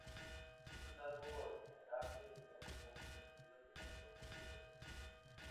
Es un árbol maderable, muy poco conocido, de los bosques secos.